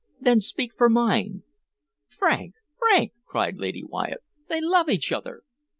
Then speak for mine!" "Frank, Frank!" cried Lady Wyatt. "They love each other!"